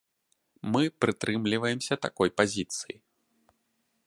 Мы прытрымліваемся такой пазіцыі.